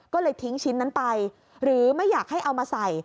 ก็เลยทิ้งชิ้นนั้นไปหรือไม่อยากให้เอามาใส่